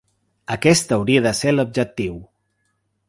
Aquest hauria de ser l’objectiu.